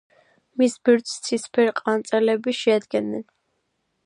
მის ბირთვს ცისფერყანწელები შეადგენდნენ.